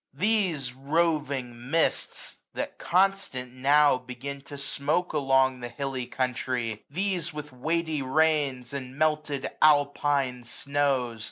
149 These roving mists, that constant now begin To smoak along the hilly country, these 735 With weighty rains, and melted Alpine snows.